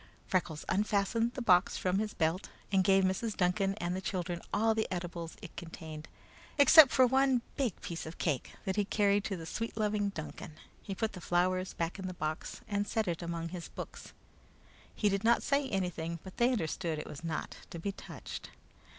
Freckles unfastened the box from his belt, and gave Mrs. Duncan and the children all the eatables it contained, except one big piece of cake that he carried to the sweet loving Duncan. He put the flowers back in the box and set it among his books. He did not say anything, but they understood it was not to be touched.